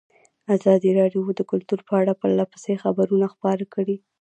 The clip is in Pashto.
ازادي راډیو د کلتور په اړه پرله پسې خبرونه خپاره کړي.